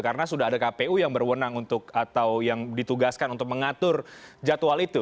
karena sudah ada kpu yang berwenang untuk atau yang ditugaskan untuk mengatur jadwal itu